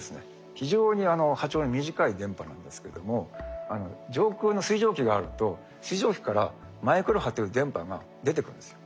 非常に波長の短い電波なんですけども上空の水蒸気があると水蒸気からマイクロ波という電波が出てくるんですよ。